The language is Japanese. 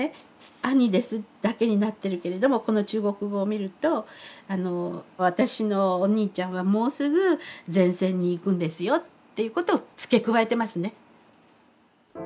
「兄です」だけになってるけれどもこの中国語を見ると「私のお兄ちゃんはもうすぐ前線に行くんですよ」っていうことを付け加えてますね。